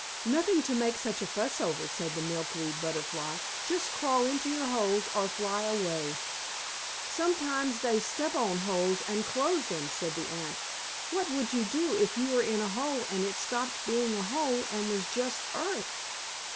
"Nothing to make such a fuss over," said a Milkweed Butterfly. "Just crawl into your holes or fly away." "Sometimes they step on the holes and close them," said an Ant. "What would you do if you were in a hole and it stopped being a hole and was just earth?"